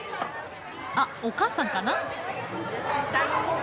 あっお母さんかな？